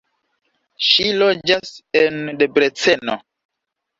Ŝi loĝas en Debreceno.